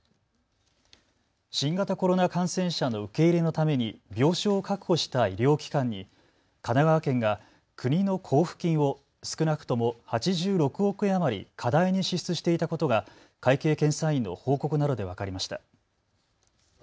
新型コロナ感染者の受け入れのために病床を確保した医療機関に神奈川県が国の交付金を少なくとも８６億円余り過大に支出していたことが会計検査院の報告などで分かりました。